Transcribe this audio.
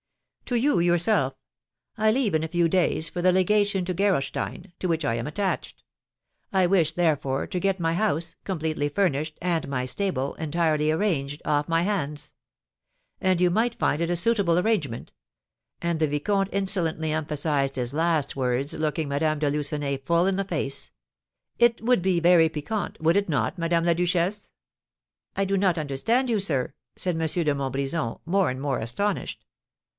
"To you yourself. I leave in a few days for the legation to Gerolstein, to which I am attached. I wish, therefore, to get my house, completely furnished, and my stable, entirely arranged, off my hands; and you might find it a suitable arrangement;" and the vicomte insolently emphasised his last words, looking Madame de Lucenay full in the face. "It would be very piquant, would it not, Madame la Duchesse?" "I do not understand you, sir," said M. de Montbrison, more and more astonished.